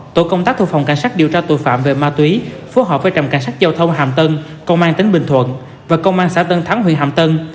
tổ công tác thuộc phòng cảnh sát điều tra tội phạm về ma túy phối hợp với trạm cảnh sát giao thông hàm tân công an tỉnh bình thuận và công an xã tân thắng huyện hàm tân